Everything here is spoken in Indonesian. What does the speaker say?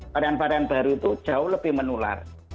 varian varian baru itu jauh lebih menular